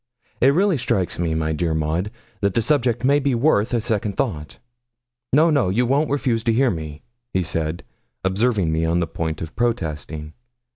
It really strikes me, dear Maud, that the subject may be worth a second thought. No, no, you won't refuse to hear me,' he said, observing me on the point of protesting.